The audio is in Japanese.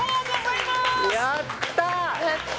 やった！